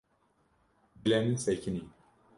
Dilê min sekinî.